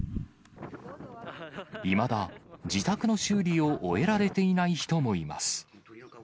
いまだ自宅の修理を終えられていない人もいます。